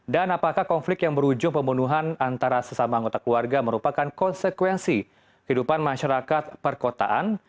dan apakah konflik yang berujung pembunuhan antara sesama anggota keluarga merupakan konsekuensi kehidupan masyarakat perkotaan